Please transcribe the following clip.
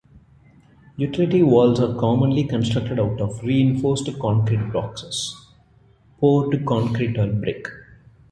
Utility vaults are commonly constructed out of reinforced concrete boxes, poured concrete or brick.